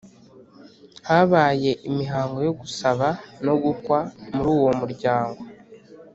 habaye imihango yogusaba no gukwa muruwo muryango